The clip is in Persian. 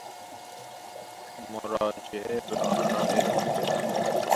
مراجمه بآراء عمومی